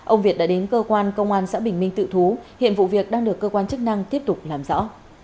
ông việt đã đến cơ quan công an xã bình minh tự thú hiện vụ việc đang được cơ quan chức năng tiếp tục làm rõ